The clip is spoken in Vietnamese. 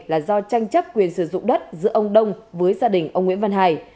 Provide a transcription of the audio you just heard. là do tranh chấp quyền sử dụng đất giữa ông đông với gia đình ông nguyễn văn hải